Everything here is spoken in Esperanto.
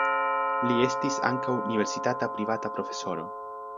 Li estis ankaŭ universitata privata profesoro.